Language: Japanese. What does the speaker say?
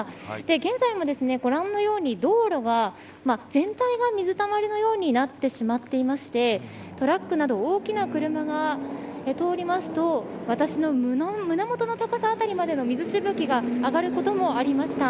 現在もご覧のように道路が、全体が水たまりのようになってしまっていましてトラックなど大きな車が通りますと私の胸元の高さ辺りの水しぶきが上がることもありました。